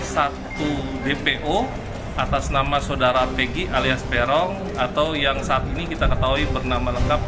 satu dpo atas nama saudara pg alias peron atau yang saat ini kita ketahui bernama lengkap